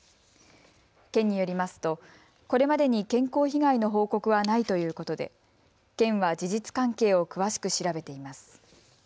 県によりますとこれまでに健康被害の報告はないということで県は事実関係を詳しく調べています。